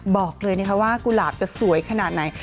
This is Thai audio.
บอกเลยนะคะว่ากุหลาบจะสวยขนาดไหน